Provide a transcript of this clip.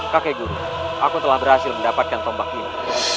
kakek guru aku telah berhasil mendapatkan tombak ini